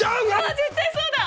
◆絶対そうだ。